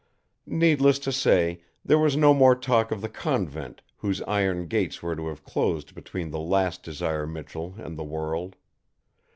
Needless to say, there was no more talk of the convent whose iron gates were to have closed between the last Desire Michell and the world.